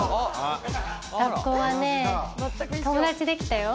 学校はね、友達できたよ。